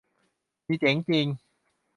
นี่เจ๋งจริง